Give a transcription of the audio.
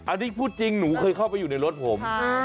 อันนี้พูดจริงหนูเคยเข้าไปอยู่ในรถผม